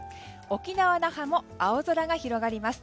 沖縄・那覇も青空が広がります。